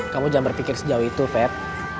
kamu jangan berpikir sejauh itu fed